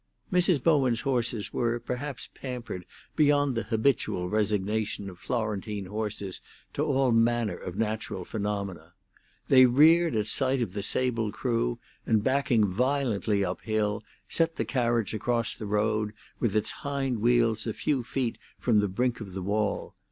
Mrs. Bowen's horses were, perhaps, pampered beyond the habitual resignation of Florentine horses to all manner of natural phenomena; they reared at sight of the sable crew, and backing violently uphill, set the carriage across the road, with its hind wheels a few feet from the brink of the wall.